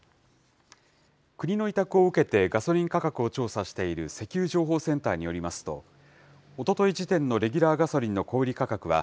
国の委託を受けてガソリン価格を調査している石油情報センターによりますと、おととい時点のレギュラーガソリンの小売り価格は、